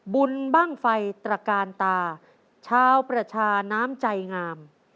บุญบ้างไฟตระกาลตาชาวประชาน้ำใจงาม